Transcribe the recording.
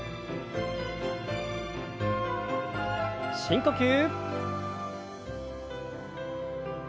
深呼吸。